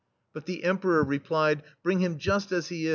But the Emperor replied: "Bring him just as he is.'